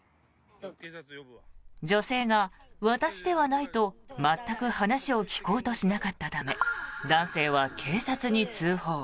女性が、私ではないと全く話を聞こうとしなかったため男性は警察に通報。